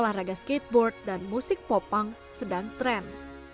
selah raga skateboard dan musik pop punk sedang trend